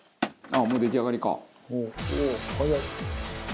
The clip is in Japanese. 「あっもう出来上がりか」